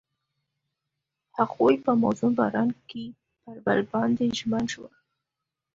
هغوی په موزون باران کې پر بل باندې ژمن شول.